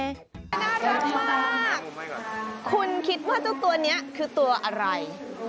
น่ารักมากคุณคิดว่าเจ้าตัวนี้คือตัวอะไร